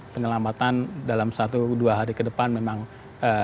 penyelamatan dalam satu dua hari ke depan memang ee